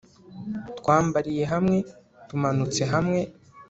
twambaliye hamwe tumanutse hamwe